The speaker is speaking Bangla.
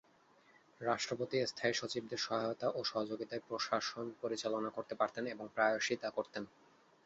রাষ্ট্রপতি স্থায়ী সচিবদের সহায়তা ও সহযোগিতায় প্রশাসন পরিচালনা করতে পারতেন এবং প্রায়শই তা করতেন।